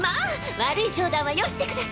悪い冗談はよしてください。